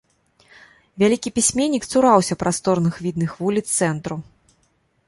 Вялікі пісьменнік цураўся прасторных відных вуліц цэнтру.